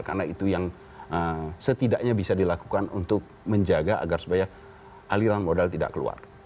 karena itu yang setidaknya bisa dilakukan untuk menjaga agar supaya aliran modal tidak keluar